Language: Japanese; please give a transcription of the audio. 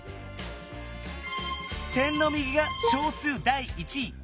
点の右が小数第一位。